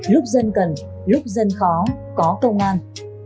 lúc dân cần lúc dân khó có công an